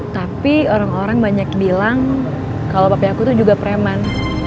tapi orang orang banyak bilang kalau bapak aku tuh juga preman